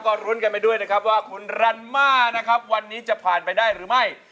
ก็รุ้นกันไปด้วยนะครับว่าคุณรันมานะครับวันนี้จะผ่านไปได้หรือไม่